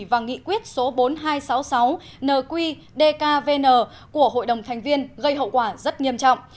và nghị quyết số bốn nghìn hai trăm sáu mươi sáu nqdkvn của hội đồng thành viên gây hậu quả rất nghiêm trọng